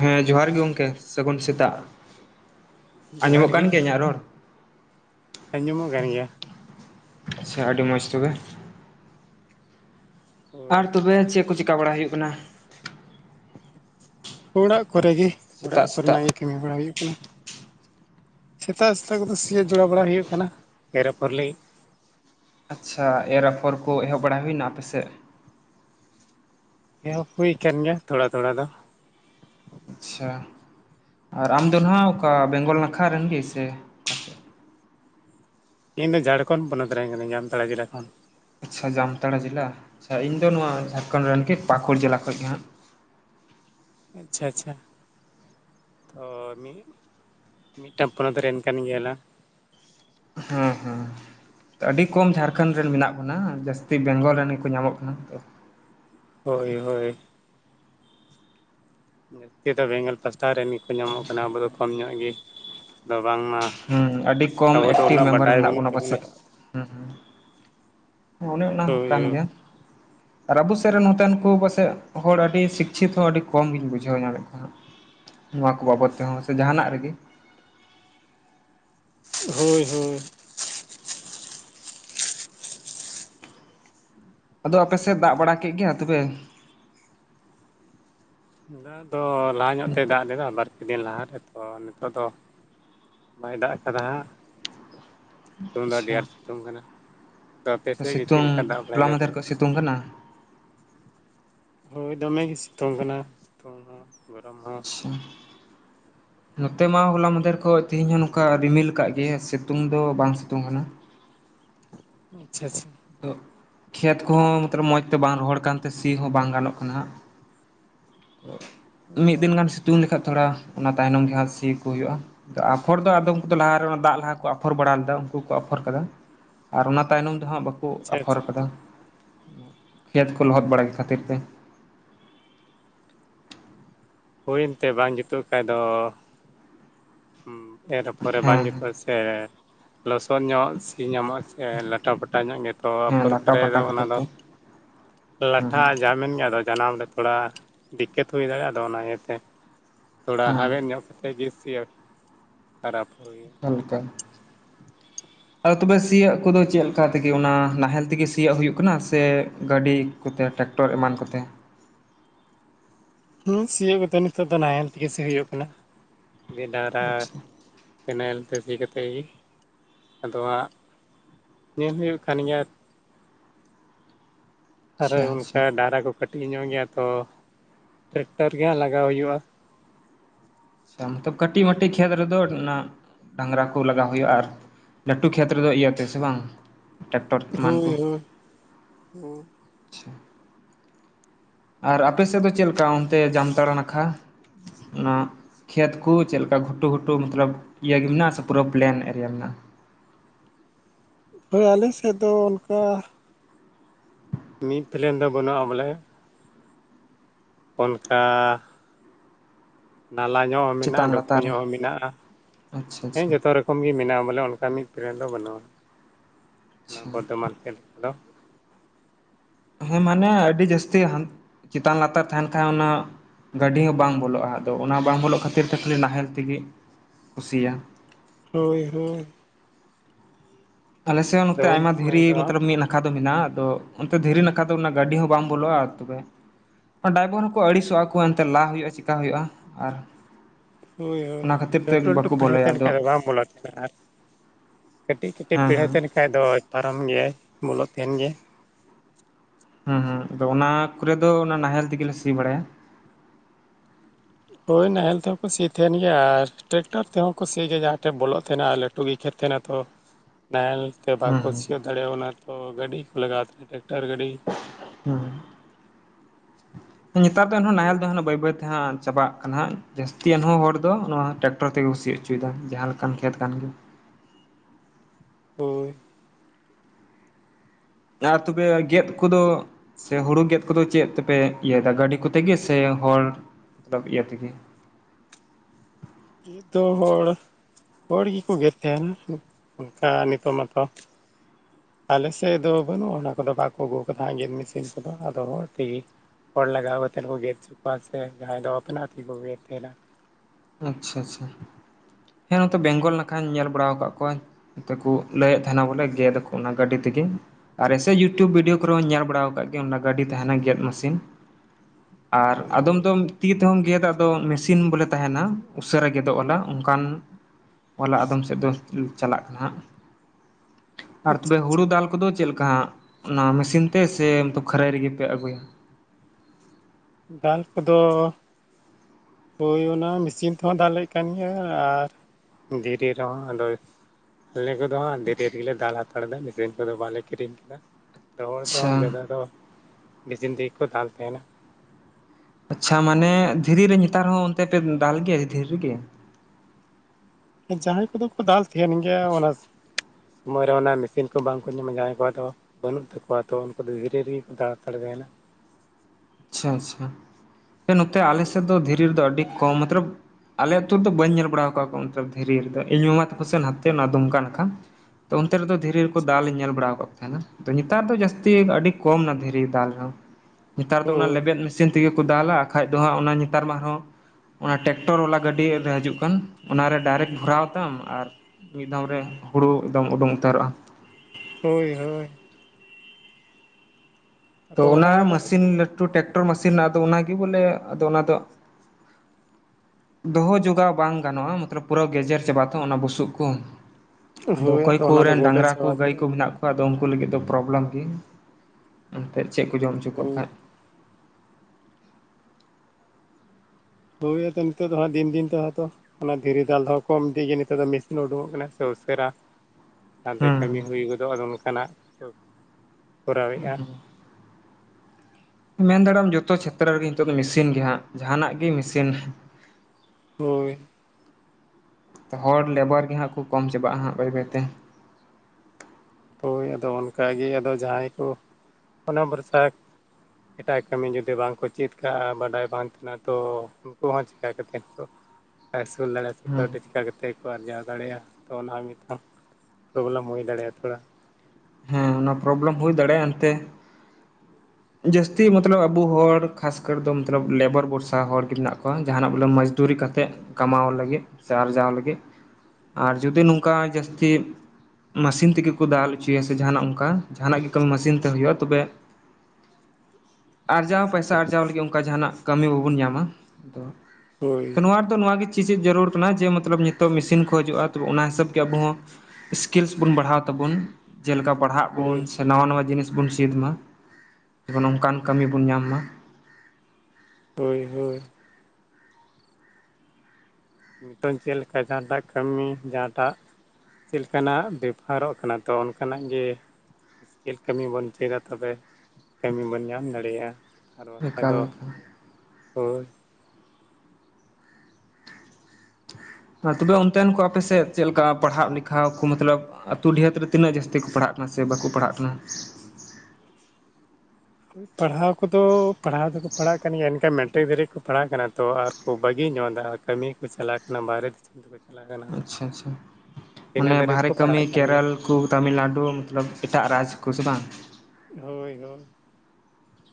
ᱦᱮᱸ ᱡᱚᱦᱟᱨ ᱜᱮ ᱜᱚᱝᱠᱮ ᱥᱟᱹᱜᱩᱱ ᱥᱮᱛᱟᱜ [unintelligible] ᱡᱚᱦᱟᱨ ᱟᱸᱡᱚᱢᱚᱜ ᱠᱟᱱ ᱜᱮ ᱜᱮᱤᱭᱟᱹ ᱤᱧᱟᱹᱜ ᱨᱚᱲ? ᱟᱸᱡᱚᱢᱚᱜ ᱠᱟᱱ ᱜᱮᱭᱟ ᱾ ᱟᱪᱪᱷᱟ ᱟᱹᱰᱤ ᱢᱚᱸᱡᱽ ᱛᱚᱵᱮ ᱾ ᱟᱨ ᱦᱳᱭ ᱛᱚᱵᱮ ᱪᱮᱫ ᱠᱚ ᱪᱮᱠᱟ ᱵᱟᱲᱟ ᱦᱩᱭᱩᱜ ᱠᱟᱱᱟ? ᱚᱲᱟᱜ ᱠᱚᱨᱮ ᱜᱮ ᱾ ᱚᱲᱟᱜ ᱥᱮᱛᱟᱜ ᱥᱮᱛᱟᱜ ᱠᱚᱨᱮᱱᱟᱜ ᱜᱮ ᱠᱟᱹᱢᱤ ᱵᱟᱲᱟ ᱦᱩᱭᱩᱜ ᱠᱟᱱᱟ ᱾ ᱥᱮᱛᱟᱜ ᱥᱮᱛᱟᱜ ᱠᱚᱫᱚ [unintelligible] ᱥᱤᱭᱳᱜ ᱡᱚᱲᱟᱣ ᱵᱟᱲᱟ ᱦᱩᱭᱩᱜ ᱠᱟᱱᱟ ᱾ [inaudible] [unintelligible] ᱯᱚᱨ ᱞᱟᱹᱜᱤᱫ ᱾ ᱟᱪᱪᱷᱟ ᱮᱨ ᱟᱯᱷᱳᱨ ᱠᱚ ᱮᱦᱚᱵ ᱵᱟᱲᱟ ᱦᱩᱭᱱᱟ ᱟᱯᱮ ᱥᱮᱫ? ᱮᱦᱚᱵ ᱦᱩᱭ ᱟᱠᱟᱱ ᱜᱮᱭᱟ ᱛᱷᱚᱲᱟ- ᱛᱷᱚᱲᱟ ᱫᱚ ᱾ ᱟᱪᱪᱷᱟ [unintelligible] ᱟᱨ ᱟᱢᱫᱚ ᱱᱟᱦᱟᱜ ᱚᱠᱟ ᱵᱮᱝᱜᱚᱞ ᱱᱟᱠᱷᱟ ᱨᱮᱱ ᱜᱮ ᱥᱮ? ᱤᱧ ᱫᱚ ᱡᱷᱟᱲᱠᱷᱚᱸ ᱯᱚᱱᱚᱛ ᱨᱮᱱ ᱠᱟᱹᱱᱟᱹᱧ ᱡᱟᱢᱛᱟᱲᱟ ᱡᱮᱞᱟ ᱠᱷᱚᱱ ᱾ ᱟᱪᱪᱷᱟ ᱡᱟᱢᱛᱟᱲᱟ ᱡᱮᱞᱟ ᱾ ᱟᱪᱪᱷᱟ ᱤᱧ ᱫᱚ ᱱᱚᱣᱟ ᱡᱷᱟᱲᱠᱷᱚᱸᱰ ᱨᱮᱱ ᱜᱮ ᱯᱟᱹᱠᱩᱲ ᱡᱮᱞᱟ ᱠᱷᱚᱱ ᱜᱮ ᱦᱟᱸᱜ᱾ ᱟᱪᱪᱷᱟ ᱟᱪᱪᱷᱟ ᱾ ᱛᱚ ᱢᱤᱫ [unintelligible] ᱢᱤᱫᱴᱟᱝ ᱯᱚᱱᱚᱛ ᱨᱮᱱ ᱠᱟᱱ ᱜᱮᱭᱟᱞᱟᱝ ᱾ ᱦᱩᱸ ᱦᱩᱸ ᱾ ᱛᱚ ᱟᱹᱰᱤ ᱠᱚᱢ ᱡᱷᱟᱲᱠᱷᱚᱸᱰ ᱨᱮᱱ ᱢᱮᱱᱟᱜ ᱵᱚᱱᱟ ᱡᱟᱹᱥᱛᱤ ᱵᱮᱝᱜᱚᱞ ᱨᱮᱱ ᱜᱮ ᱠᱚ ᱧᱟᱢᱚᱜ ᱠᱟᱱᱟ ᱛᱚ ᱾ ᱦᱚᱭ ᱦᱚᱭ ᱾ ᱡᱟᱹᱥᱛᱤ ᱫᱚ ᱵᱮᱝᱜᱚᱞ ᱯᱟᱥᱴᱟ ᱨᱮᱱ ᱜᱮᱠᱚ ᱧᱟᱢᱚᱜ ᱠᱟᱱᱟ ᱟᱵᱚ ᱫᱚ ᱠᱚᱢ ᱧᱚᱜ ᱜᱮ ᱾ [unintelligible] ᱦᱩᱸ ᱟᱹᱰᱤ ᱠᱚᱢ ᱟᱵᱚ ᱫᱚ ᱮᱠᱴᱤᱵᱷ ᱩᱱᱟᱹᱜ ᱢᱮᱢᱵᱟᱨ ᱵᱟᱰᱟᱭ ᱢᱮᱱᱟᱜ ᱵᱟᱹᱱᱩᱜ ᱵᱚᱱᱟ ᱛᱟᱵᱚᱱᱟ ᱯᱟᱥᱮᱡ ᱦᱩᱸ ᱾ ᱚᱱᱮ ᱚᱱᱟ ᱦᱳᱭ ᱠᱟᱱ ᱜᱮᱭᱟ ᱾ ᱟᱨ ᱟᱵᱚ ᱥᱮᱫ ᱨᱮᱱ ᱱᱚᱛᱮᱱ ᱠᱚ ᱯᱟᱥᱮᱡ ᱦᱚᱲ ᱟᱹᱰᱤ ᱥᱤᱠᱪᱷᱤᱛ ᱦᱚᱸ ᱟᱹᱰᱤ ᱠᱚᱢ ᱜᱤᱧ ᱵᱩᱡᱷᱟᱹᱣ ᱧᱟᱢᱮᱫ ᱠᱚᱣᱟ ᱾ ᱱᱚᱣᱟ ᱠᱚ ᱵᱟᱵᱚᱛ ᱛᱮᱦᱚᱸ ᱥᱮ ᱡᱟᱦᱱᱟᱜ ᱨᱮᱜᱤ ᱾ ᱦᱚᱭ ᱦᱚᱭ᱾ ᱟᱫᱚ ᱟᱯᱮ ᱥᱮᱫ ᱫᱟᱜ ᱵᱟᱲᱟ ᱠᱮᱫ ᱜᱮᱭᱟ ᱛᱚᱵᱮ ᱫᱟᱜ ᱫᱚ ᱞᱟᱦᱟ ᱧᱚᱜ ᱛᱮᱭ ᱫᱟᱜ ᱞᱮᱫᱟ ᱵᱟᱨ ᱯᱮ ᱫᱤᱱ ᱞᱟᱦᱟᱨᱮ ᱛᱚ ᱛᱚ ᱱᱤᱛᱚᱜ ᱫᱚ ᱵᱟᱭ ᱫᱟᱜ ᱟᱠᱟᱫᱟ ᱦᱟᱸᱜ ᱥᱤᱛᱩᱝ ᱫᱚ ᱟᱹᱰᱤ ᱟᱸᱴ ᱥᱤᱛᱩᱝ ᱠᱟᱱᱟ ᱟ ᱟᱪᱪᱷᱟ ᱟᱯᱮᱥᱮᱫ ᱜᱮ ᱪᱮᱫ ᱥᱤᱛᱩᱝ ᱞᱮᱠᱟ ᱫᱟᱜ ᱵᱟᱲᱟᱭ ᱦᱚᱞᱟ ᱢᱟᱫᱷᱮᱨ ᱫᱟᱭ [inaudible] ᱠᱷᱚᱡ ᱥᱤᱛᱩᱝ ᱠᱟᱱᱟ ᱦᱳᱭ ᱫᱚᱢᱮ ᱜᱮ ᱥᱤᱛᱩᱝ ᱠᱟᱱᱟ ᱥᱤᱛᱩᱝ ᱦᱚᱸ ᱜᱚᱨᱚᱢ ᱦᱚᱸ [unintelligible] ᱱᱚᱛᱮ ᱢᱟ ᱦᱚᱞᱟ ᱢᱟᱫᱷᱮᱨ ᱠᱷᱚᱡ ᱛᱮᱦᱮᱧ ᱦᱚᱸ ᱱᱚᱝᱠᱟ ᱨᱤᱢᱤᱞ ᱠᱟᱫ ᱜᱮᱭᱟ ᱥᱤᱛᱩᱝ ᱫᱚ ᱵᱟᱝ ᱥᱤᱛᱩᱝ ᱠᱟᱱᱟ ᱟᱪᱪᱷᱟ ᱟᱪᱪᱷᱟ ᱛᱚ ᱠᱷᱮᱛ ᱠᱚᱦᱚᱸ ᱢᱚᱸᱡᱽ ᱛᱮ ᱵᱟᱝ ᱨᱚᱦᱚᱲ ᱠᱟᱱᱛᱮ ᱥᱤ ᱦᱚᱸ ᱵᱟᱝ ᱜᱟᱱᱚᱜ ᱠᱟᱱᱟ ᱢᱤᱫ ᱚ ᱫᱤᱱ ᱜᱟᱱ ᱥᱤᱛᱩᱝ ᱞᱮᱠᱷᱟ ᱛᱷᱚᱲᱟ ᱚᱱᱟ ᱛᱟᱭᱱᱚᱢ ᱜᱮ ᱦᱟᱸ ᱥᱤ ᱟᱠ ᱠᱚ ᱦᱩᱭᱩᱜᱼᱟ ᱟᱯᱷᱚᱨ ᱫᱚ ᱟᱫᱚ ᱩᱱᱠᱩ ᱞᱟᱦᱟᱨᱮ ᱫᱟᱜ ᱞᱟᱦᱟ ᱠᱚ ᱟᱯᱷᱚᱨ ᱵᱟᱲᱟ ᱞᱮᱫᱟ ᱩᱱᱠᱩ ᱠᱚ ᱟᱯᱷᱚᱨ ᱠᱟᱫᱟ ᱟᱨ ᱚᱱᱟ ᱛᱟᱭᱱᱚᱢ ᱫᱚ ᱦᱟᱸᱜ ᱵᱟᱠᱚ ᱟᱪᱪᱷᱟ ᱟᱯᱷᱚᱨ ᱟᱪᱪᱷᱟ ᱠᱟᱫᱟ ᱠᱷᱮᱛ ᱠᱚ ᱞᱚᱦᱚᱫ ᱵᱟᱲᱟᱭ ᱠᱷᱟᱹᱛᱤᱨ ᱛᱮ ᱦᱩᱭᱮᱱᱛᱮ ᱵᱟᱝ ᱡᱩᱛᱩᱜ ᱠᱷᱟᱡ ᱫᱚ ᱦᱩᱸ ᱮᱨᱚᱯᱚᱨᱮ ᱵᱟᱝ ᱦᱮᱸ ᱡᱩᱛᱩᱜᱼᱟ ᱥᱮ ᱞᱚᱥᱚᱱ ᱧᱚᱜ ᱥᱤ ᱧᱟᱢᱚᱜᱼᱟ ᱮ ᱞᱟᱴᱟᱯᱴᱟ ᱧᱚᱜ ᱜᱮᱛᱚ ᱦᱮᱸ ᱟᱯᱷᱚᱨ ᱞᱟᱴᱟ ᱠᱚᱨᱮ ᱫᱚ ᱯᱟᱴᱟ ᱚᱱᱟ ᱠᱷᱟᱹᱛᱤᱨ ᱫᱚ ᱛᱮ ᱦᱮᱸ ᱞᱟᱴᱷᱟ ᱡᱟᱢᱮᱱ ᱜᱮ ᱟᱫᱚ ᱡᱟᱱᱟᱢ ᱨᱮ ᱛᱷᱚᱲᱟ ᱫᱤᱠᱠᱟᱛ ᱦᱩᱭ ᱫᱟᱲᱮᱭᱟᱜᱼᱟ ᱟᱫᱚ ᱚᱱᱟ ᱤᱭᱟᱹᱛᱮ ᱛᱷᱚᱲᱟ ᱦᱮᱸ ᱦᱟᱣᱮᱫ ᱧᱚᱜ ᱠᱟ ᱠᱟᱛᱮᱫ ᱜᱮ [unintelligible] ᱠᱷᱟᱨᱟᱯ ᱦᱩᱭ [inaudible] [inaudible] ᱟᱫᱚ ᱛᱚᱵᱮ ᱥᱤᱭᱳᱜ ᱠᱚᱫᱚ ᱪᱮᱫ ᱞᱮᱠᱟ ᱛᱮᱜᱮ ᱚᱱᱟ ᱱᱟᱦᱮᱞ ᱛᱮᱜᱮ ᱥᱤᱭᱳᱜ ᱦᱩᱭᱩᱜ ᱠᱟᱱᱟ ᱥᱮ ᱜᱟᱹᱰᱤ ᱠᱚᱛᱮ ᱴᱮᱠᱴᱚᱨ ᱮᱢᱟᱱ ᱠᱚᱛᱮ ᱦᱩᱸ ᱥᱤᱭᱳᱜ ᱠᱚᱛᱮ ᱱᱤᱛᱚᱜ ᱫᱚ ᱱᱟᱦᱮᱞ ᱛᱮᱜᱮ ᱥᱤ ᱦᱩᱭᱩᱜ ᱠᱟᱱᱟ ᱰᱟᱝᱨᱟ ᱟᱪᱪᱷᱟ ᱠᱮᱱᱮᱞ ᱛᱮ ᱥᱤ ᱠᱟᱛᱮᱫ ᱜᱤ ᱟᱫᱚ ᱦᱟᱸᱜ ᱧᱮᱞ ᱦᱩᱭᱩᱜ ᱠᱟᱱ ᱜᱮᱭᱟ ᱟᱨᱚ ᱟᱪᱪᱷᱟ ᱚᱱᱠᱟ ᱟᱪᱪᱷᱟ ᱰᱟᱝᱨᱟ ᱠᱚ ᱠᱟᱹᱴᱤᱡ ᱧᱚᱜ ᱜᱮᱭᱟ ᱛᱚ ᱴᱨᱟᱠᱴᱟᱨ ᱜᱮ ᱦᱟᱸᱜ ᱞᱟᱜᱟᱣ ᱦᱩᱭᱩᱜᱼᱟ ᱟᱪᱪᱷᱟ [inaudible] ᱠᱟᱹᱴᱤᱡ ᱢᱟᱹᱴᱤᱡ ᱠᱷᱮᱛ ᱨᱮᱫᱚ ᱱᱟᱸᱜ ᱰᱟᱝᱨᱟ ᱠᱚ ᱞᱟᱜᱟᱣ ᱦᱩᱭᱩᱜᱼᱟ ᱟᱨ ᱞᱟᱹᱴᱩ ᱠᱷᱮᱛ ᱨᱮᱫᱚ ᱤᱭᱟᱹᱛᱮ ᱥᱮ ᱵᱟᱝ ᱴᱨᱟᱠᱴᱚᱨ ᱮᱢᱟᱱ ᱦᱳᱭ ᱠᱚ ᱦᱳᱭ ᱟᱨ ᱟᱯᱮ ᱥᱮᱫ ᱫᱚ ᱪᱮᱫ ᱞᱮᱠᱟ ᱚᱱᱛᱮ ᱡᱟᱢᱛᱟᱲᱟ ᱱᱟᱠᱷᱟ ᱠᱷᱮᱛ ᱠᱚ ᱪᱮᱫ ᱞᱮᱠᱟ ᱜᱷᱩᱴᱩ ᱜᱷᱩᱴᱩ ᱢᱚᱛᱞᱚᱵᱽ ᱤᱭᱟᱹ ᱜᱮ ᱢᱮᱱᱟᱜᱼᱟ ᱥᱮ ᱯᱩᱨᱟᱹ ᱯᱞᱮᱱ ᱮᱨᱤᱭᱟ ᱢᱮᱱᱟᱜᱼᱟ ᱦᱳᱭ ᱟᱞᱮᱥᱮᱫ ᱫᱚ ᱚᱱᱠᱟ ᱢᱤᱫ ᱯᱞᱮᱱ ᱫᱚ ᱵᱟᱹᱱᱩᱜᱼᱟ ᱵᱚᱞᱮ ᱚᱱᱠᱟ ᱱᱟᱞᱟ ᱧᱚᱜ ᱦᱚᱸ ᱢᱮᱱᱟᱜᱼᱟ ᱪᱮᱛᱟᱱ ᱰᱩᱯᱩ ᱞᱟᱛᱟᱨ ᱧᱚᱜ ᱦᱚᱸ ᱢᱮᱱᱟᱜᱼᱟ ᱟᱪᱪᱷᱟ ᱟᱪᱪᱷᱟ ᱦᱮᱸ ᱡᱚᱛᱚ ᱨᱚᱠᱚᱢ [inaudible] ᱢᱮᱱᱟᱜᱼᱟ ᱵᱚᱞᱮ ᱚᱱᱠᱟ ᱢᱤᱫ ᱯᱮᱞᱮᱱ ᱫᱚ ᱵᱟᱹᱱᱩᱜᱼᱟ ᱚᱱᱟ ᱟᱪᱪᱷᱟ ᱵᱚᱨᱫᱷᱚᱢᱟᱱ ᱥᱮᱫ ᱞᱮᱠᱟ ᱫᱚ ᱦᱮᱸ ᱢᱟᱱᱮ ᱟᱹᱰᱤ ᱡᱟᱹᱟᱥᱛᱤ ᱪᱮᱛᱟᱱ ᱞᱟᱛᱟᱨ ᱛᱟᱦᱮᱱ ᱠᱷᱟᱱ ᱚᱱᱟ ᱜᱟᱹᱰᱤ ᱦᱚᱸ ᱵᱟᱝ ᱵᱚᱞᱚᱜᱼᱟ ᱟᱫᱚ ᱚᱱᱟ ᱵᱟᱝ ᱵᱚᱞᱚᱜ ᱠᱷᱟᱹᱛᱤᱨ ᱛᱮ ᱠᱷᱟᱹᱞᱤ ᱱᱟᱦᱮᱞ ᱛᱤᱜᱤ ᱠᱩ ᱥᱤᱭᱟ ᱦᱳᱭ ᱦᱳᱭ ᱟᱞᱮᱥᱮᱫ ᱟᱫᱚ ᱱᱚᱛᱮ ᱩᱱ ᱟᱭᱢᱟ ᱥᱚᱢᱚᱭ ᱫᱷᱤᱨᱤ ᱫᱚ ᱦᱟᱸᱜ ᱢᱚᱛᱞᱚᱵ ᱢᱮᱱᱟᱜ ᱱᱟᱠᱷᱟ ᱫᱚ ᱢᱮᱱᱟᱜᱼᱟ ᱟᱫᱚ ᱚᱱᱛᱮ ᱫᱷᱤᱨᱤ ᱱᱟᱠᱷᱟ ᱫᱚ ᱜᱟᱹᱰᱤ ᱦᱚᱸ ᱵᱟᱝ ᱵᱚᱞᱚᱜᱼᱟ ᱛᱚᱵᱮ ᱰᱟᱭᱵᱚᱨ ᱦᱚᱸᱠᱚ ᱟᱹᱲᱤᱥᱚᱜᱼᱟ ᱠᱚ ᱮᱱᱛᱮ ᱞᱟ ᱦᱩᱭᱩᱜᱼᱟ ᱪᱮᱠᱟ ᱦᱩᱭᱩᱜᱼᱟ ᱟᱨ ᱦᱳᱭ ᱦᱳᱭ ᱚᱱᱟ ᱠᱷᱟᱹᱛᱤᱨ ᱛᱮ ᱞᱳᱴᱩ ᱞᱳᱴᱩ [inaudible] ᱵᱟᱠᱚ ᱵᱚᱞᱚᱭᱟ ᱟᱫᱚ [inaudible] ᱵᱟᱝ ᱵᱚᱞᱚ ᱟᱨ ᱠᱟᱹᱴᱤᱡ ᱠᱟᱹᱴᱤᱡ ᱦᱮᱸ [inaudible] ᱦᱮᱸ ᱛᱟᱦᱮᱱ ᱠᱷᱟᱱ ᱫᱚ ᱯᱟᱨᱚᱢ ᱜᱮᱭᱟᱭ ᱵᱚᱞᱚᱜ ᱛᱟᱦᱮᱱ ᱜᱮᱭᱟᱭ ᱦᱩᱸ ᱦᱩᱸ ᱟᱫᱚ ᱚᱱᱟ ᱠᱚᱨᱮ ᱫᱚ ᱚᱱᱟ ᱱᱟᱦᱮᱞ ᱛᱤᱜᱤᱞᱮ ᱥᱤ ᱵᱟᱲᱟᱭᱟ ᱦᱳᱭ ᱱᱟᱦᱮᱞ ᱛᱮᱦᱚᱸ ᱠᱚ ᱥᱤ ᱛᱟᱦᱮᱱ ᱜᱮᱭᱟ ᱟᱨ ᱴᱮᱠᱴᱟᱨ ᱛᱮᱦᱚᱸ ᱠᱚ ᱥᱤ ᱜᱮᱭᱟ ᱡᱟᱦᱟᱸ ᱴᱷᱮᱱ ᱵᱚᱞᱚᱜ ᱛᱟᱦᱮᱱᱟᱠ ᱴᱩᱜᱤ ᱠᱷᱮᱛ ᱛᱟᱦᱮᱱᱟ ᱛᱚ ᱱᱟᱦᱮᱞ ᱛᱮ ᱵᱟᱠᱚ ᱦᱮᱸ ᱥᱤᱭᱳᱜ ᱫᱟᱲᱮᱭᱟ ᱚᱱᱟ ᱛᱚ ᱜᱟᱹᱰᱤ ᱠᱚ ᱞᱟᱜᱟᱣ ᱴᱮᱠᱴᱟᱨ ᱜᱟᱹᱰᱤ ᱱᱤᱛᱟᱨ ᱫᱚᱱ ᱱᱟᱦᱮᱞ ᱦᱳᱭ ᱫᱚ ᱵᱟᱹᱭ ᱵᱟᱹᱭ ᱛᱮ ᱦᱟᱸᱜ ᱪᱟᱵᱟᱜ ᱠᱟᱱᱟ ᱡᱟᱹᱥᱛᱤᱟᱭᱟᱱ ᱦᱚᱸ ᱦᱚᱲ ᱫᱚ ᱱᱚᱣᱟ ᱴᱮᱠᱴᱚᱨ ᱛᱮᱜᱮ ᱠᱚ ᱥᱤ ᱚᱪᱚᱭᱮᱫᱟ ᱡᱟᱦᱟᱸ ᱞᱮᱠᱟᱱ ᱠᱷᱮᱛ ᱠᱟᱱ ᱜᱮ ᱦᱳᱭ ᱟᱨ ᱛᱚᱵᱮ ᱜᱮᱫ ᱠᱚᱫᱚ? ᱥᱮ ᱦᱩᱲᱩ ᱜᱮᱫ ᱠᱚᱫᱚ ᱪᱮᱫ ᱛᱮᱯᱮ ᱤᱭᱟᱹᱭ ᱫᱟ? ᱜᱟᱹᱰᱤ ᱠᱚ ᱛᱮᱜᱮ ᱥᱮ ᱦᱚᱲ ᱢᱚᱛᱞᱚᱵ ᱤᱭᱟᱹ ᱛᱮᱜᱮ᱾ [inaudible] ᱫᱚ ᱦᱚᱲ᱾ ᱦᱚᱲ ᱜᱤᱠᱚ ᱜᱮᱫ ᱛᱟᱦᱮᱱᱟ᱾ ᱚᱱᱠᱟ ᱱᱤᱛᱚᱜ ᱢᱟᱛᱚ ᱟᱞᱮᱥᱮᱫ ᱫᱚ ᱵᱟᱹᱱᱩᱜᱼᱟ ᱚᱱᱟ ᱠᱚᱫᱚ ᱵᱟᱠᱚ ᱟᱹᱜᱩ ᱠᱟᱫᱟ ᱜᱮᱫ ᱢᱮᱥᱤᱱ ᱠᱚᱫᱚ ᱟᱫᱚ ᱦᱚᱲ ᱛᱮᱜᱤ᱾ ᱦᱚᱲ ᱞᱟᱜᱟᱣ ᱠᱟᱛᱮᱜ ᱠᱚ ᱜᱮᱫ ᱚᱪᱚ ᱠᱚᱣᱟ ᱾ ᱥᱮ ᱡᱟᱦᱟᱸᱭ ᱫᱚ ᱟᱯᱱᱟ ᱟᱯᱱᱤ ᱠᱚ ᱜᱮᱫ ᱛᱟᱦᱮᱱᱟ ᱾ ᱟᱪᱪᱷᱟ ᱟᱪᱪᱷᱟ ᱦᱮᱸ ᱱᱚᱛᱮ ᱵᱮᱝᱜᱚᱞ ᱱᱟᱠᱷᱟᱧ ᱧᱮᱞ ᱵᱟᱲᱟ ᱟᱠᱟᱫ ᱠᱚᱣᱟ ᱾ ᱚᱱᱛᱮ ᱠᱚ ᱞᱟᱹᱭᱮᱜ ᱛᱟᱦᱮᱱᱟ ᱵᱚᱞᱮ, ᱜᱮᱫᱟ ᱠᱚ ᱚᱱᱟ ᱜᱟᱹᱰᱤ ᱛᱮᱜᱮ ᱾ ᱟᱨ ᱮᱥᱮ ᱤᱭᱩᱴᱩᱵᱽ ᱵᱷᱤᱰᱭᱳ ᱠᱚᱨᱮ ᱦᱚᱸᱧ ᱧᱮᱞ ᱵᱟᱲᱟ ᱠᱟᱜ ᱜᱮᱭᱟ᱾ ᱚᱱᱟ ᱜᱟᱹᱰᱤ ᱛᱟᱦᱮᱱᱟ ᱜᱮᱫ ᱢᱮᱥᱤᱱ ᱾ ᱟᱨ ᱦᱳᱭ ᱟᱫᱚᱢ ᱦᱳᱭ ᱫᱚᱢ ᱛᱤ ᱛᱮᱦᱚᱢ ᱜᱮᱫᱟ ᱾ ᱟᱨ ᱢᱮᱥᱤᱱ ᱵᱚᱞᱮ ᱛᱟᱦᱮᱱᱟ ᱩᱥᱟᱹᱨᱟ ᱜᱮᱫᱚᱜ ᱟᱱᱟ ᱚᱱᱠᱟᱱ ᱾ ᱚᱞᱟ ᱟᱫᱚᱢ ᱥᱮᱫ ᱫᱚ ᱪᱟᱞᱟᱜ ᱠᱟᱱᱟ ᱦᱟᱜ ᱾ ᱟᱨ ᱟᱪᱪᱷᱟ ᱛᱚᱵᱮ ᱟᱪᱪᱷᱟ ᱦᱩᱲᱳ ᱫᱟᱞ ᱠᱚᱫᱚ ᱪᱮᱫᱽ ᱞᱮᱠᱟ ᱦᱟᱜ, ᱚᱱᱟ ᱢᱮᱥᱤᱱ ᱛᱮ ᱥᱮ ᱠᱷᱟᱹᱨᱟᱹᱭ ᱨᱮᱜᱮᱯᱮ ᱟᱹᱜᱩᱭᱟ? ᱫᱟᱞ ᱠᱚᱫᱚ ᱦᱳᱭ ᱚᱱᱟ ᱢᱮᱥᱤᱱ ᱛᱮᱦᱚ ᱫᱟᱞ ᱦᱩᱭᱩᱜ ᱠᱟᱱ ᱜᱮᱭᱟ ᱾ ᱟᱨ ᱫᱷᱤᱨᱤ ᱨᱮᱦᱚᱸ ᱟᱫᱚ ᱟᱞᱮ ᱠᱚᱫᱚ ᱦᱟᱸᱜ ᱫᱷᱤᱨᱤ ᱨᱮᱜᱮᱞᱮ ᱫᱟᱞ ᱦᱟᱛᱟᱲ ᱫᱟ ᱾ ᱢᱮᱥᱤᱱ ᱠᱚᱫᱚ ᱵᱟᱞᱮ ᱠᱤᱨᱤᱧ ᱠᱟᱫᱟ ᱟᱫᱚ ᱦᱚᱲ ᱫᱚ ᱟᱪᱪᱷᱟ ᱦᱟᱸᱜ ᱡᱟᱫᱟ ᱫᱚ, ᱢᱮᱥᱤᱱ ᱛᱮᱜᱮ ᱠᱚ ᱫᱟᱞ ᱛᱟᱦᱮᱱᱟ ᱾ ᱟᱪᱪᱷᱟ ᱢᱟᱱᱮ ᱫᱷᱤᱨᱤ ᱨᱮ ᱱᱮᱛᱟᱨ ᱦᱚᱸ, ᱚᱱᱛᱮ ᱯᱮ ᱫᱟᱞ ᱜᱮᱭᱟ ᱫᱷᱤᱨᱤ ᱨᱮᱜᱮ? ᱡᱟᱸᱦᱟᱸᱭ ᱠᱚᱫᱚ ᱠᱚ ᱫᱟᱞ ᱛᱟᱦᱮᱱ ᱜᱮᱭᱟ ᱚᱱᱟ ᱥᱚᱢᱚᱭ ᱨᱮ ᱚᱱᱟ ᱢᱮᱥᱤᱱ ᱠᱚ ᱵᱟᱝᱠᱚ ᱧᱟᱢᱟ ᱡᱟᱸᱦᱟᱭ ᱠᱚ ᱟᱫᱚ, ᱵᱟᱹᱱᱩᱜ ᱛᱟᱠᱚᱣᱟ ᱾ ᱛᱚ ᱩᱱᱠᱩ ᱫᱚ ᱫᱷᱤᱨᱤ ᱨᱮᱜᱮ ᱠᱚ ᱫᱟᱞ ᱦᱟᱛᱟᱲ ᱛᱟᱦᱮᱱᱟ ᱾ ᱟᱪᱪᱷᱟ ᱟᱪᱪᱷᱟ, ᱟᱞᱮ ᱱᱚᱛᱮ ᱟᱞᱮᱥᱮᱫ ᱫᱚ ᱫᱷᱤᱨᱤ ᱨᱮᱫᱚ ᱟᱹᱰᱤ ᱠᱚᱢ ᱢᱟᱛᱨᱚ ᱾ ᱟᱞᱮ ᱟᱹᱛᱩ ᱨᱮᱫᱚ ᱵᱟᱹᱧ ᱧᱮᱞ ᱵᱟᱲᱟ ᱠᱟᱜ ᱠᱚᱣᱟ ᱠᱚ ᱾ ᱚᱱᱠᱟ ᱫᱷᱤᱨᱤ ᱨᱮᱫᱚ, ᱤᱧ ᱢᱟᱢᱟ ᱛᱟᱠᱚ ᱥᱮᱱ ᱦᱟᱱᱛᱮ ᱱᱚᱣᱟ ᱫᱚᱩᱢᱠᱟ ᱱᱟᱠᱷᱟ ᱾ ᱛᱚ ᱚᱱᱛᱮ ᱨᱮᱫᱚ ᱫᱷᱤᱨᱤ ᱨᱮᱠᱚ ᱟᱪᱪᱷᱟ ᱫᱟᱞᱤᱧ ᱧᱮᱞ ᱵᱟᱲᱟ ᱠᱟᱫ ᱠᱚ ᱛᱟᱦᱮᱸᱱᱟ ᱾ ᱟᱫᱚ ᱱᱮᱛᱟᱨ ᱫᱚ ᱡᱟᱹᱥᱛᱤ, ᱟᱹᱰᱤ ᱠᱚᱢ ᱱᱟ ᱫᱷᱤᱨᱤ ᱫᱟᱞᱦᱚᱸ ᱾ ᱱᱮᱛᱟᱨ ᱫᱚ ᱚᱱᱟ ᱦᱳᱭ ᱞᱮᱵᱮᱫ ᱢᱮᱥᱤᱱ ᱛᱮᱜᱮ ᱠᱚ ᱫᱟᱞᱟ ᱾ ᱟᱠᱷᱟᱡ ᱫᱚ ᱦᱟᱸᱜ ᱚᱱᱟ ᱱᱮᱛᱟᱨ ᱢᱟ ᱟᱨᱦᱚᱸ, ᱚᱱᱟ ᱴᱮᱠᱴᱚᱨ ᱵᱟᱞᱟ ᱜᱟᱹᱰᱤ ᱨᱮ ᱦᱤᱡᱩᱜ ᱠᱟᱱ ᱾ ᱚᱱᱟᱨᱮ ᱰᱟᱭᱨᱮᱠᱴ ᱵᱷᱚᱨᱟᱣᱛᱟᱢ ᱟᱨ, ᱢᱤᱜ ᱫᱷᱟᱣ ᱨᱮ ᱦᱩᱲᱩ ᱮᱠᱫᱚᱢ ᱩᱰᱩᱝ ᱩᱛᱟᱹᱨᱚᱜᱼᱟ ᱾ ᱦᱳᱭ ᱦᱳᱭ, ᱛᱚ ᱟᱫᱚ ᱚᱱᱟ ᱦᱚᱸ ᱡᱟᱹᱱᱤᱡ ᱢᱮᱥᱤᱱ ᱞᱟᱹᱴᱩ ᱴᱨᱟᱠᱴᱚᱨ ᱢᱮᱥᱤᱱ ᱟᱫᱚ ᱚᱱᱟᱜᱮ ᱵᱚᱞᱮ ᱟᱫᱚ ᱚᱱᱟ ᱫᱚ, ᱫᱚᱦᱚ ᱡᱚᱜᱟᱣ ᱵᱟᱝ ᱜᱟᱱᱚᱜᱼᱟ ᱾ ᱢᱚᱛᱞᱚᱵ ᱯᱩᱨᱟᱹ ᱜᱮᱡᱮᱨ ᱪᱟᱵᱟ ᱟᱛᱚ ᱚᱱᱟ ᱵᱩᱥᱩᱵ ᱠᱚ ᱾ ᱟᱫᱚ ᱦᱳᱭ ᱚᱠᱚᱭ ᱚᱱᱟᱞᱮ ᱠᱚᱨᱮᱱ ᱜᱚᱞᱮ ᱰᱟᱝᱨᱟ ᱠᱚ, ᱪᱟᱵᱟ ᱜᱟᱹᱭ ᱠᱮᱫᱟ ᱠᱚ ᱢᱮᱱᱟᱜ ᱠᱚᱣᱟ ᱟᱫᱚ ᱩᱱᱠᱩ ᱞᱟᱹᱜᱤᱫ ᱫᱚ ᱯᱨᱚᱵᱞᱮᱢ ᱜᱮ ᱾ ᱮᱱᱛᱮᱜ ᱪᱮᱫ ᱠᱚ ᱡᱚᱢ ᱚᱪᱚ ᱠᱚ ᱦᱳᱭ ᱠᱷᱟᱡ ᱾ ᱦᱳᱭ ᱟᱫᱚ ᱱᱤᱛᱚᱜ ᱫᱚ ᱦᱟᱸᱜ ᱫᱤᱱ ᱫᱤᱱ ᱛᱮᱦᱚ ᱛᱚ, ᱚᱱᱟ ᱫᱷᱤᱨᱤ ᱫᱟᱞ ᱫᱚ ᱦᱟᱸᱜ ᱠᱚᱢ ᱤᱫᱤ ᱜᱮ, ᱱᱤᱛᱚᱜ ᱫᱚ ᱢᱮᱥᱤᱱ ᱩᱰᱩᱠᱚᱜ ᱠᱟᱱᱟ ᱥᱮ ᱩᱥᱟᱹᱨᱟ, ᱠᱟᱹᱢᱤ ᱦᱮᱸ ᱦᱩᱭ ᱜᱚᱫᱚᱜᱼᱟ ᱟᱫᱚ ᱚᱱᱠᱟᱱᱟᱜ ᱠᱚ ᱠᱚᱨᱟᱣᱭᱮᱜᱼᱟ ᱾ ᱢᱮᱱ ᱫᱟᱲᱮᱼᱟᱢ ᱾ ᱡᱚᱛᱚ ᱪᱷᱮᱛᱨᱚ ᱨᱮᱜᱮ ᱱᱤᱛᱚᱜ ᱫᱚ ᱢᱮᱥᱤᱱ ᱜᱮ, ᱦᱟᱸᱜ ᱡᱟᱦᱟᱱᱟᱜ ᱜᱮ ᱢᱮᱥᱤᱱ, ᱦᱳᱭ ᱦᱚᱲ ᱞᱮᱵᱟᱨ ᱜᱮ ᱦᱟᱸᱜ ᱠᱩ ᱠᱚᱢ ᱪᱟᱵᱟᱜᱼᱟ ᱦᱟᱸᱜ, ᱵᱟᱹᱭ ᱵᱟᱹᱭᱛᱮ ᱦᱳᱭ ᱟᱫᱚ ᱚᱱᱠᱟᱜᱮ ᱟᱫᱚ ᱡᱟᱦᱟᱸᱭ ᱠᱚ ᱚᱱᱟ ᱵᱚᱨᱥᱟ ᱮᱴᱟᱜ ᱠᱟᱹᱢᱤ ᱡᱩᱫᱤ ᱵᱟᱝᱠᱚ ᱪᱮᱫ ᱠᱟᱜᱼᱟ ᱾ ᱵᱟᱰᱟᱭ ᱵᱟᱝ ᱛᱟᱦᱮᱱᱟ ᱛᱚ ᱩᱱᱠᱩ ᱦᱚᱸ ᱪᱤᱠᱟ ᱠᱟᱛᱮ ᱠᱚ ᱟᱥᱩᱞ ᱫᱟᱲᱮᱜ-ᱟ ᱾ ᱦᱮᱸ ᱠᱟᱹᱣᱰᱤ ᱪᱤᱠᱟ ᱠᱟᱛᱮ ᱠᱚ ᱟᱨᱡᱟᱣ ᱫᱟᱲᱮᱭᱟᱜᱼᱟ ᱾ ᱛᱚ ᱚᱱᱟ ᱦᱚᱸ ᱢᱤᱫᱴᱟᱝ ᱯᱨᱚᱵᱞᱮᱢ ᱦᱩᱭ ᱫᱟᱲᱮᱭᱟᱜᱼᱟ ᱛᱷᱚᱲᱟ ᱾ ᱦᱮᱸ ᱚᱱᱟ ᱯᱨᱚᱨᱚᱵᱽᱞᱮᱢ ᱦᱩᱭ ᱫᱟᱲᱮᱭᱟᱜᱼᱟ ᱮᱱᱛᱮ, ᱡᱟᱹᱥᱛᱤ ᱢᱚᱛᱞᱚᱵ ᱟᱵᱚ ᱦᱚᱲ ᱠᱷᱟᱥ ᱠᱟᱨ ᱫᱚ ᱢᱚᱛᱞᱚᱵ ᱞᱮᱵᱟᱨ ᱵᱷᱚᱨᱥᱟ ᱦᱚᱲ ᱜᱮ ᱢᱮᱱᱟᱜ ᱠᱚᱣᱟ ᱾ ᱡᱟᱦᱟᱱᱟᱜ ᱵᱚᱞᱮ ᱢᱚᱡᱽᱫᱩᱨᱤ ᱠᱟᱛᱮᱜ ᱾ ᱠᱟᱢᱟᱣ ᱞᱟᱹᱜᱤᱫ ᱥᱮ ᱟᱨᱡᱟᱣ ᱞᱟᱹᱜᱤᱫ ᱾ ᱟᱨ ᱡᱩᱫᱤ ᱱᱚᱝᱠᱟ ᱡᱟᱹᱥᱛᱤ ᱢᱮᱥᱤᱱ ᱛᱮᱜᱮ ᱠᱚ ᱫᱟᱞ ᱚᱪᱚᱭᱟ, ᱥᱮ ᱡᱟᱦᱟᱱᱟᱜ ᱚᱱᱠᱟ ᱡᱟᱦᱟᱱᱟᱜ ᱜᱮ ᱠᱟᱹᱢᱤ ᱢᱮᱥᱤᱱ ᱛᱮ ᱦᱩᱭᱩᱜᱼᱟ ᱛᱚᱵᱮ, ᱟᱨᱡᱟᱣ ᱯᱚᱭᱥᱟ ᱟᱨᱡᱟᱣ ᱞᱟᱹᱜᱤᱫ ᱚᱱᱠᱟ ᱡᱟᱦᱟᱱᱟᱜ ᱠᱟᱹᱢᱤ ᱵᱟᱵᱚᱱ ᱧᱟᱢᱟ ᱾ ᱦᱳᱭ ᱛᱚ ᱱᱚᱣᱟ ᱨᱮᱫᱚ ᱱᱚᱣᱟ ᱜᱮ ᱪᱤᱡ ᱡᱟᱹᱨᱩᱲ ᱠᱟᱱᱟ ᱾ ᱡᱮ ᱢᱚᱛᱞᱚᱵ ᱱᱤᱛᱚᱜ ᱢᱮᱥᱤᱱ ᱠᱚ ᱦᱤᱡᱩᱜᱼᱟ ᱛ ᱚᱱᱟ ᱦᱤᱥᱟᱹᱵᱽ ᱜᱮ ᱟᱵᱚ ᱦᱚᱸ ᱥᱠᱤᱞᱥ ᱵᱩᱱ ᱵᱟᱲᱦᱟᱣ ᱛᱟᱵᱩᱱ, ᱡᱮᱞᱮᱠᱟ ᱯᱟᱲᱦᱟᱜ ᱵᱩᱱ ᱦᱳᱭ ᱥᱮ ᱱᱟᱶᱟ ᱱᱟᱣᱟ ᱡᱤᱱᱤᱥ ᱵᱚᱱ ᱪᱮᱫ ᱢᱟ ᱾ ᱡᱮᱢᱚᱱ ᱱᱚᱝᱠᱟᱱ ᱠᱟᱹᱢᱤ ᱵᱚᱱ ᱧᱟᱢ ᱢᱟ᱾ ᱦᱳᱭ ᱦᱳᱭ᱾ ᱱᱤᱛᱚᱝ ᱪᱮᱫ ᱞᱮᱠᱟ ᱡᱟᱦᱟᱸᱴᱟᱜ ᱠᱟᱹᱢᱤ ᱡᱟᱦᱟᱸᱴᱟᱜ ᱪᱮᱫ ᱞᱮᱠᱟᱱᱟᱜ ᱵᱮᱵᱷᱟᱨᱚᱜ ᱠᱟᱱᱟ ᱛᱚ ᱚᱱᱠᱟᱱᱟᱜ ᱜᱮ ᱥᱠᱤᱞ ᱠᱟᱹᱢᱤ ᱵᱚᱱ ᱪᱮᱫᱟ ᱛᱚᱵᱮ ᱠᱟᱹᱢᱤ ᱵᱚᱱ ᱧᱟᱢ ᱫᱟᱲᱮᱭᱟᱜᱼᱟ᱾ ᱟᱨ ᱱᱚᱝᱠᱟ ᱫᱚ ᱮᱠᱟᱞ ᱮᱠᱟᱞ ᱦᱳᱭ [unintelligible] ᱛᱚᱵᱮ ᱚᱱᱛᱮᱱ ᱠᱚ ᱟᱯᱮᱥᱮᱫ ᱪᱮᱫ ᱞᱮᱠᱟ ᱯᱟᱲᱦᱟᱜ ᱞᱮᱠᱷᱟ ᱠᱚ ᱢᱚᱛᱞᱚᱵ ᱟᱹᱛᱩ ᱰᱤᱦᱟᱹᱛ ᱨᱮ ᱛᱤᱱᱟᱹᱜ ᱡᱟᱹᱥᱛᱤ ᱠᱚ ᱯᱟᱲᱦᱟᱜ ᱠᱟᱱᱟ ᱥᱮ ᱵᱟᱠᱚ ᱯᱟᱲᱦᱟᱜ ᱠᱟᱱᱟ᱾ ᱯᱟᱲᱦᱟᱣ ᱠᱚᱫᱚ ᱯᱟᱲᱦᱟᱣ ᱫᱚᱠᱚ ᱯᱟᱲᱦᱟᱜ ᱠᱟᱱ ᱜᱮᱭᱟ ᱮᱱᱠᱷᱟᱱ ᱢᱮᱴᱨᱤᱠ ᱫᱷᱟᱨᱤᱡ ᱠᱚ ᱯᱟᱲᱦᱟᱜ ᱠᱟᱱᱟ ᱛᱚ ᱟᱨᱠᱚ ᱵᱟᱹᱜᱤ ᱧᱚᱜ ᱮᱫᱟ ᱟᱨ ᱠᱟᱹᱢᱤ ᱠᱚ ᱪᱟᱟᱞᱟᱜ ᱠᱟᱱᱟ ᱵᱟᱨᱦᱨᱮ ᱫᱤᱥᱚᱢ ᱛᱮᱠᱚ ᱪᱟᱞᱟᱜ ᱠᱟᱱᱟ ᱛᱚ ᱟᱪᱪᱷᱟ ᱟᱪᱪᱷᱟ ᱤᱱᱟᱹ ᱢᱟᱱᱮ ᱫᱷᱟᱹᱨᱤᱡ ᱵᱟᱦᱨᱮ ᱠᱚ ᱠᱟᱹᱢᱤ ᱯᱟᱲᱦᱟᱜ ᱠᱟᱱ ᱠᱮᱨᱟᱞ ᱜᱮᱭᱟ ᱩᱱᱠᱷᱩ ᱛᱟᱹᱟᱢᱤᱞᱱᱟᱲᱩ ᱢᱚᱛᱞᱚᱵ ᱮᱴᱟᱜ ᱨᱟᱡᱽ ᱠᱚ ᱥᱮ ᱵᱟᱝ, ᱦᱳᱭ ᱦᱳᱭ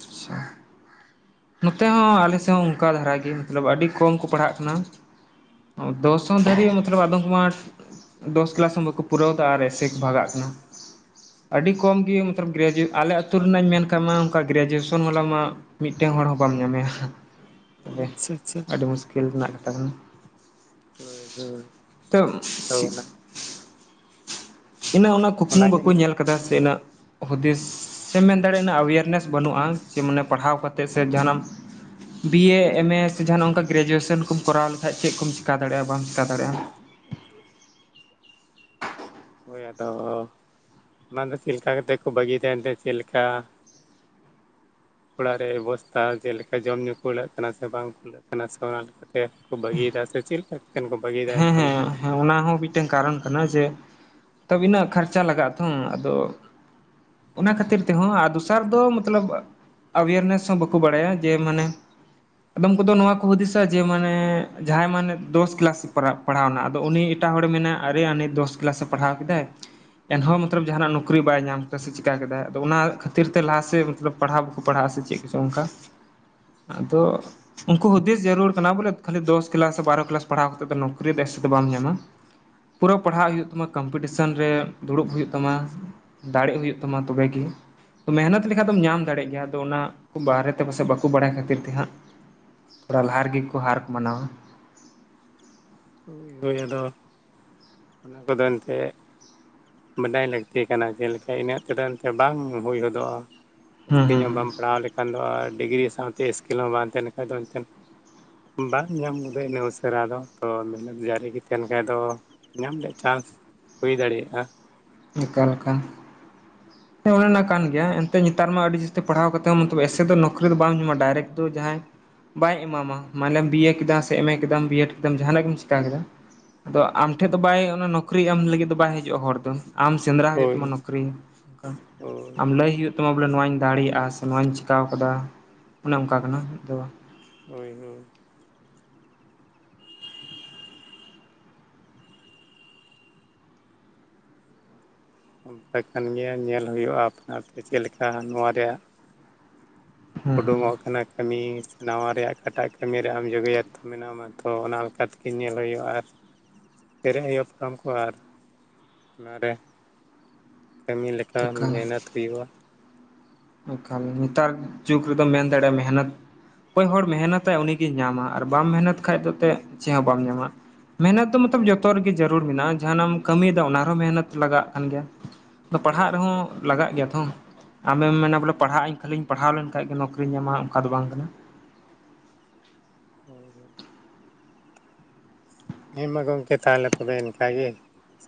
ᱟᱪᱪᱷᱟ ᱱᱚᱛᱮ ᱦᱚᱸ ᱟᱞᱮᱥᱮᱫ ᱦᱚᱸ ᱚᱱᱠᱟ ᱫᱷᱟᱨᱟᱜ ᱜᱮ ᱢᱚᱛᱞᱚᱵ ᱟᱹᱰᱤ ᱠᱚᱢ ᱠᱚ ᱯᱟᱲᱦᱟᱜ ᱠᱟᱱᱟ ᱾ ᱫᱚᱥᱚᱠ ᱫᱷᱟᱹᱨᱡ ᱢᱟᱛᱨᱚ ᱟᱫᱚᱢ ᱠᱚ ᱢᱟ ᱫᱚᱥ ᱠᱮᱞᱟᱥ ᱦᱚᱸ ᱵᱟᱠᱚ ᱯᱩᱨᱟᱹᱣ ᱠᱟᱜᱼᱟ ᱟᱨ ᱮᱥᱮ ᱠᱚ ᱵᱷᱟᱜᱟᱜ ᱠᱟᱱᱟ᱾ ᱟᱹᱰᱤ ᱠᱚᱢ ᱜᱮ ᱢᱚᱛᱞᱚᱵ ᱟᱞᱮ ᱟᱹᱛᱩ ᱨᱮᱱᱟᱜ ᱤᱧ ᱢᱮᱱᱠᱟᱜ ᱢᱟ ᱚᱱᱠᱟ ᱜᱨᱮᱡᱩᱭᱮᱥᱚᱱ ᱣᱟᱞᱟ ᱢᱟ ᱢᱤᱫᱴᱮᱱ ᱦᱚᱲ ᱦᱚᱸ ᱵᱟᱢ ᱧᱟᱢᱮᱭᱟ ᱛᱚᱵᱮ ᱟᱪᱪᱷᱟ ᱟᱪᱪᱷᱟ ᱟᱹᱰᱤ ᱢᱩᱥᱠᱤᱞ ᱨᱮᱱᱟᱜ ᱠᱟᱛᱷᱟ ᱠᱟᱱᱟ᱾ ᱦᱳᱭ ᱦᱳᱭ ᱛᱚ ᱦᱳᱭ ᱚᱱᱟ ᱤᱱᱟᱹᱜ ᱚᱱᱟ ᱠᱩᱠᱢᱩ ᱵᱟᱠᱚ ᱚᱱᱟᱜᱮ ᱧᱮᱞ ᱠᱟᱫᱟ ᱥᱮ ᱤᱱᱟᱹᱜ ᱦᱩᱫᱤᱥ ᱥᱮᱢ ᱢᱮᱱ ᱫᱟᱲᱮᱭᱟᱜᱼᱟ ᱮᱣᱮᱨᱱᱮᱥ ᱵᱟᱹᱱᱩᱜᱼᱟ ᱡᱮ ᱢᱟᱱᱮ ᱯᱟᱲᱦᱟᱣ ᱠᱟᱛᱮᱫ ᱥᱮ ᱡᱟᱦᱟᱱᱟᱜ ᱵᱤᱭᱮ ᱮᱢ ᱮ ᱥᱮ ᱡᱟᱦᱟᱱᱟᱜ ᱚᱱᱠᱟ ᱵᱤ ᱵᱤᱹᱮ, ᱮᱢᱹᱮ ᱥᱮ ᱡᱟᱦᱟᱱᱟᱜ ᱚᱱᱠᱟ ᱜᱨᱮᱡᱩᱭᱮᱥᱚᱱ ᱠᱚᱢ ᱠᱚᱨᱟᱣ ᱞᱮᱠᱷᱟᱡ ᱪᱮᱫ ᱠᱚᱢ ᱪᱤᱠᱟᱹ ᱫᱟᱲᱮᱭᱟᱜᱼᱟ ᱵᱟᱢ ᱪᱤᱠᱟ ᱫᱟᱲᱮᱭᱟᱜᱼᱟ ᱦᱳᱭ ᱟᱫᱚ ᱵᱟᱝ ᱫᱚ ᱪᱤᱱᱛᱟᱹ ᱠᱟᱛᱮᱫ ᱠᱚ ᱵᱟᱹᱜᱤᱭ ᱛᱟᱦᱮᱱ ᱛᱮ ᱪᱮᱫ ᱞᱮᱠᱟ ᱚᱲᱟᱜ ᱨᱮ ᱵᱮᱵᱚᱥᱛᱟ ᱡᱮᱞᱮᱠᱟ ᱡᱚᱢ ᱧᱩ ᱠᱚ ᱠᱩᱲᱟᱹᱜ ᱠᱟᱱᱟ ᱥᱮ ᱵᱟᱝ ᱠᱩᱲᱟᱹᱜ ᱠᱟᱱᱟ ᱥᱮ ᱚᱱᱟ ᱞᱮᱠᱟ ᱵᱟᱹᱜᱤᱭᱮᱫᱟ ᱥᱮ ᱪᱮᱫ ᱞᱮᱠᱟ ᱮᱱ ᱠᱚ ᱵᱟᱹᱜᱤ ᱦᱮᱸ ᱦᱮᱸ᱾ ᱦᱮᱸ ᱚᱱᱟ ᱦᱚᱸ ᱢᱤᱫᱴᱮᱱ ᱠᱟᱨᱚᱱ ᱠᱟᱱᱟ ᱡᱮ ᱟᱵᱤᱱᱟᱜ ᱠᱷᱚᱨᱪᱟ ᱞᱟᱜᱟᱜᱼᱟ ᱛᱷᱚ ᱟᱫᱚ ᱚᱱᱟ ᱠᱷᱟᱹᱛᱤᱨ ᱛᱮᱦᱚᱸ ᱟᱨ ᱫᱚᱥᱟᱨ ᱫᱚ ᱢᱚᱛᱞᱚᱵ ᱮᱣᱮᱨᱱᱮᱥ ᱦᱚᱸ ᱵᱟᱠᱚ ᱵᱟᱲᱟᱭᱟ ᱡᱮ ᱢᱟᱱᱮ ᱟᱫᱚᱢ ᱠᱚᱫᱚ ᱱᱚᱣᱟ ᱠᱚ ᱦᱩᱫᱤᱥᱟ ᱡᱮ ᱢᱟᱱᱮ ᱡᱟᱦᱟᱸᱭ ᱢᱟᱱᱮ ᱫᱚᱥ ᱠᱞᱟᱥ ᱯᱟᱲᱦᱟᱣᱱᱟ ᱟᱫᱚ ᱩᱱᱤ ᱮᱴᱟᱜ ᱦᱚᱲᱮ ᱢᱮᱱᱟ ᱟᱨᱮ ᱩᱱᱤ ᱫᱚᱥ ᱠᱞᱟᱥᱮ ᱯᱟᱲᱦᱟᱣ ᱠᱮᱫᱟᱭ ᱮᱱᱦᱚᱸ ᱢᱚᱛᱞᱚᱵ ᱡᱟᱦᱱᱟᱜ ᱱᱚᱩᱠᱨᱤ ᱮᱱᱦᱚ ᱢᱚᱛᱞᱚᱵ ᱡᱟᱦᱟᱱᱟᱜ ᱱᱚᱠᱨᱤ ᱵᱟᱭ ᱧᱟᱢ ᱠᱮᱫᱟ ᱥᱮ ᱪᱤᱠᱟ ᱠᱮᱫᱟᱭ ᱟᱫᱚ ᱚᱱᱟ ᱠᱷᱟᱹᱛᱤᱨ ᱛᱮ ᱞᱟᱦᱟ ᱥᱮᱫ ᱢᱚᱛᱚᱞᱵ ᱯᱟᱲᱦᱟᱣ ᱵᱟᱠᱚ ᱯᱟᱲᱦᱟᱜᱼᱟ ᱥᱮ ᱪᱮᱫ ᱠᱚ ᱪᱚᱝ ᱚᱱᱠᱟ [unintelligible] ᱟᱫᱚ ᱩᱱᱠᱩ ᱦᱩᱫᱤᱥ ᱡᱟᱹᱨᱩᱲ ᱠᱟᱱᱟ ᱵᱚᱞᱮ ᱠᱷᱟᱹᱞᱤ ᱫᱚᱥ ᱠᱮᱞᱟᱥ ᱥᱮ ᱵᱟᱨᱚ ᱠᱞᱟᱥ ᱯᱟᱲᱦᱟᱣ ᱛᱮᱫᱚ ᱱᱚᱠᱨᱤ ᱫᱚ ᱵᱮᱥ ᱛᱮ ᱫᱚ ᱵᱟᱢ ᱧᱟᱢᱟ᱾ ᱯᱩᱨᱟᱹ ᱯᱟᱲᱦᱟᱜ ᱦᱩᱭᱩᱜ ᱛᱟᱢᱟ ᱠᱚᱢᱯᱤᱴᱤᱥᱮᱱ ᱨᱮ ᱫᱩᱲᱩᱵ ᱦᱩᱭᱩᱜ ᱛᱟᱢᱟ᱾ ᱫᱟᱲᱮᱜ ᱦᱩᱭᱩᱜ ᱛᱟᱢᱟ ᱛᱚᱵᱮᱜᱮ᱾ ᱢᱮᱦᱱᱚᱛ ᱞᱮᱠᱷᱟᱱ ᱫᱚᱢ ᱧᱟᱢ ᱫᱟᱲᱮᱜ ᱜᱮᱭᱟ ᱟᱫᱚ ᱚᱱᱟ ᱠᱚ ᱵᱟᱨᱮᱛᱮ ᱯᱟᱥᱮᱡ ᱵᱟᱠᱚ ᱵᱟᱲᱟᱭ ᱠᱷᱟᱹᱛᱤᱨ ᱛᱮᱦᱟᱸᱜ ᱛᱷᱚᱲᱟ ᱞᱟᱦᱟ ᱨᱮᱜᱮ ᱠᱚ ᱦᱟᱨ ᱠᱚ ᱢᱟᱱᱟᱣᱟ᱾ ᱦᱩᱭ ᱟᱫᱚ ᱚᱱᱟ ᱠᱚᱫᱚ ᱮᱱᱛᱮᱫ ᱵᱟᱰᱟᱭ ᱞᱟᱹᱠᱛᱤ ᱠᱟᱱᱟ ᱡᱮᱞᱮᱠᱟ ᱤᱱᱟᱹᱜ ᱛᱮ ᱫᱚ ᱵᱟᱝ ᱦᱩᱭ ᱦᱚᱫᱚᱜᱼᱟ᱾ ᱦᱩᱸ ᱡᱟᱹᱥᱛᱤ ᱦᱩᱸ ᱧᱚᱜ ᱵᱟᱢ ᱦᱩᱸ ᱯᱟᱲᱦᱟᱣ ᱞᱮᱠᱷᱟᱱ ᱫᱚ ᱰᱤᱜᱽᱨᱤ ᱥᱟᱶᱛᱮ ᱥᱠᱤᱞ ᱦᱚᱸ ᱵᱟᱝ ᱛᱟᱦᱮᱱ ᱠᱷᱟᱱ ᱫᱚ ᱮᱱᱛᱮᱫ ᱵᱟᱝ ᱧᱟᱢ ᱜᱚᱫᱜᱼᱟ ᱤᱱᱟᱹᱜ ᱩᱥᱟᱹᱨᱟ ᱫᱚ᱾ ᱛᱚ ᱢᱮᱦᱱᱮᱫ ᱡᱟᱹᱨᱤᱜᱮ ᱛᱟᱦᱮᱱ ᱠᱷᱟᱡ ᱫᱚ ᱧᱟᱢ ᱨᱮᱭᱟᱜ ᱪᱟᱱᱥ ᱦᱩᱭ ᱫᱟᱲᱮᱭᱟᱜᱼᱟ᱾ ᱚᱠᱟ ᱞᱮᱠᱟ? ᱦᱮᱸ ᱚᱱᱮ ᱚᱱᱟ ᱠᱟᱱ ᱜᱮᱭᱟ᱾ ᱱᱮᱛᱟᱨ ᱢᱟ ᱟᱹᱰᱤ ᱡᱟᱹᱥᱛᱤ ᱯᱟᱲᱦᱟᱣ ᱠᱟᱛᱮ ᱦᱚᱸ ᱢᱚᱛᱞᱚᱵ ᱮᱥᱮ ᱫᱚ ᱱᱩᱠᱨᱤ ᱫᱚ ᱵᱟᱝ ᱧᱟᱢᱚᱜᱼᱟ ᱰᱟᱭᱨᱮᱠᱴ ᱫᱚ ᱡᱟᱦᱟᱸᱭ ᱵᱟᱭ ᱮᱢᱟᱢᱟ ᱢᱟᱱᱮᱢ ᱵᱤᱹᱮ ᱠᱮᱫᱟᱢ ᱥᱮ ᱮᱢᱹᱮ ᱠᱮᱫᱟᱢ ᱵᱤᱹᱮᱰ ᱠᱮᱫᱟᱢ ᱡᱟᱦᱟᱱᱟᱜ ᱜᱮᱢ ᱪᱮᱠᱟ ᱠᱮᱫᱟ ᱟᱫᱚ ᱟᱢᱴᱷᱮᱫ ᱫᱚ ᱵᱟᱭ ᱚᱱᱟ ᱱᱚᱠᱨᱤ ᱮᱢ ᱞᱟᱹᱜᱤᱫ ᱫᱚ ᱵᱟᱭ ᱦᱤᱡᱩᱜᱼᱟ ᱦᱚᱲ ᱫᱚ ᱟᱢ ᱥᱮᱸᱫᱽᱨᱟ ᱦᱩᱭᱩᱜ ᱦᱳᱭ ᱛᱟᱢᱟ ᱱᱚᱠᱨᱤ ᱚᱱᱠᱟ ᱦᱳᱭ ᱟᱢ ᱞᱟᱹᱭ ᱦᱳᱭᱳᱜ ᱛ ᱢᱟ ᱵᱚᱞᱮ ᱱᱚᱣᱟᱧ ᱫᱟᱲᱮᱭᱟᱜᱼᱟ ᱥᱮ ᱱᱚᱣᱟᱧ ᱪᱮᱠᱟᱹᱣ ᱟᱠᱟᱫᱟ ᱚᱱᱮ ᱚᱱᱠᱟ ᱠᱟᱱᱟ ᱫᱚ ᱦᱳᱭ ᱦᱳᱭ ᱚᱱᱠᱟ ᱠᱟᱭ ᱠᱟᱱ ᱜᱮᱭᱟ ᱧᱮᱞ ᱦᱩᱭᱩᱜᱼᱟ ᱟᱯᱱᱟᱨ ᱛᱮ ᱪᱮᱫ ᱞᱮᱠᱟ ᱱᱚᱣᱟ ᱨᱮᱭᱟᱜ ᱦᱩᱸ ᱩᱰᱩᱝᱚᱜ ᱦᱩᱸ ᱠᱟᱱᱟ ᱠᱟᱹᱢᱤ ᱱᱟᱣᱟ ᱨᱮᱭᱟᱜ ᱚᱠᱟᱴᱟᱜ ᱠᱟᱹᱢᱤ ᱨᱮ ᱟᱢ ᱡᱚᱜᱮᱭᱟᱛᱛᱚ ᱢᱮᱱᱟᱢᱟ ᱛᱚ ᱚᱱᱟ ᱞᱮᱠᱟ ᱞᱮᱠᱟ ᱛᱮᱜᱮ ᱧᱮᱞ ᱦᱩᱭᱩᱜᱼᱟ ᱟᱨ ᱯᱮᱨᱮᱡ [inaudible] ᱚᱱᱟᱨᱮ ᱠᱟᱹᱢᱤ ᱞᱮᱠᱟ ᱢᱮᱦᱱᱚᱛ ᱦᱩᱭᱩᱜᱼᱟ ᱮᱠᱷᱟᱱ ᱱᱮᱛᱟᱨ ᱡᱩᱜᱽ ᱨᱮᱫ ᱢᱮᱱ ᱫᱟᱲᱮᱭᱟᱜᱼᱟ ᱢᱮᱦᱱᱚᱛ ᱚᱠᱚᱭ ᱦᱚᱲ ᱢᱮᱦᱱᱚᱛᱟᱭ ᱩᱱᱤᱜᱮᱭ ᱧᱟᱢᱟ ᱟᱨ ᱵᱟᱢ ᱢᱮᱦᱱᱚᱛ ᱠᱷᱟᱡ ᱫᱚ ᱪᱮᱫ ᱦᱚᱸ ᱵᱟᱢ ᱧᱟᱢᱟ ᱢᱮᱦᱱᱚᱫ ᱫᱚ ᱢᱚᱛᱞᱚᱵ ᱡᱚᱛᱚ ᱨᱮᱜᱮ ᱡᱟᱹᱨᱩᱲ ᱢᱮᱱᱟᱜᱼᱟ ᱡᱟᱦᱟᱸᱱᱟᱜ ᱮᱢ ᱠᱟᱹᱢᱤᱭᱮᱫᱟ ᱚᱱᱟ ᱨᱮᱦᱚᱸ ᱢᱮᱦᱱᱚᱛ ᱞᱟᱜᱟᱜ ᱠᱟᱱ ᱜᱮᱭᱟ᱾ ᱟᱫᱚ ᱯᱟᱲᱦᱟᱜ ᱦᱳᱭ ᱨᱮᱦᱚᱸ ᱦᱳᱭ ᱞᱟᱜᱟᱜ ᱜᱮᱭᱟ ᱛᱚ᱾ ᱟᱢᱮᱢ ᱢᱮᱱᱟ ᱵᱚᱞᱮ ᱯᱟᱲᱦᱟᱜᱼᱟᱧ ᱠᱷᱟᱹᱞᱤᱧ ᱯᱟᱲᱦᱟᱣ ᱞᱮᱱᱠᱷᱟᱱ ᱜᱮ ᱱᱚᱠᱨᱤᱧ ᱧᱟᱢᱟ ᱚᱱᱠᱟ ᱫᱚ ᱵᱟᱝ ᱠᱟᱱᱟ᱾ ᱦᱳᱭ ᱦᱳᱭ ᱦᱮᱸ ᱢᱟ ᱜᱚᱝᱠᱮ ᱛᱟᱦᱚᱞᱮ ᱛᱚᱵᱮ ᱤᱱᱠᱟ ᱜᱮ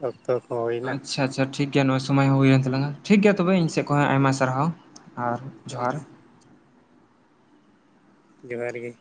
ᱚᱠᱛᱚ ᱦᱩᱭ ᱟᱪᱪᱷᱟ ᱟᱪᱪᱷᱟ ᱴᱷᱤᱠ ᱜᱮᱭᱟ ᱱᱚᱣᱟ ᱥᱚᱢᱚᱭ ᱦᱚᱸ ᱦᱩᱭ ᱮᱱ ᱛᱟᱞᱟᱝᱟ ᱴᱷᱤᱠ ᱜᱮᱭᱟ ᱛᱚᱵᱮ ᱤᱧ ᱥᱮᱫ ᱠᱷᱚᱱ ᱦᱳᱭ ᱟᱭᱢᱟ ᱦᱳᱭ ᱥᱟᱨᱦᱟᱣ ᱟᱨ ᱦᱳᱭ ᱡᱚᱦᱟᱨ ᱡᱚᱦᱟᱨ ᱜᱮ